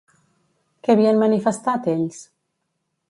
Què havien manifestat, ells?